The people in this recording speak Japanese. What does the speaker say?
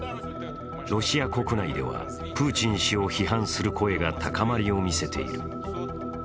ロシア国内では、プーチン氏を批判する声が高まりを見せている。